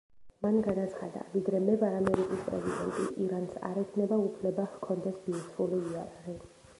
მან განაცხადა: „ვიდრე მე ვარ ამერიკის პრეზიდენტი, ირანს არ ექნება უფლება, ჰქონდეს ბირთვული იარაღი“.